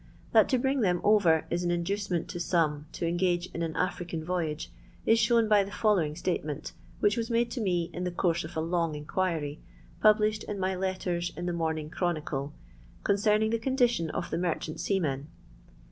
That to bring them in indncement to some to engage in an voyage is shown by the following state hich was made to me, in the course of a quiry, published in my letters in the g CkronicU, concerning the condition of chant seamen.